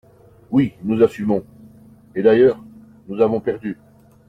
Oui, nous assumons – et d’ailleurs nous avons perdu